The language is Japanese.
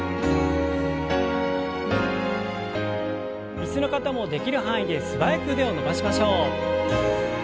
椅子の方もできる範囲で素早く腕を伸ばしましょう。